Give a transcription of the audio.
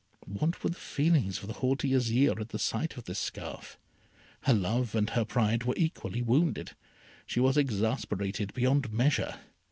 What were the feelings of the haughty Azire at the sight of this scarf? Her love and her pride were equally wounded. She was exasperated beyond measure.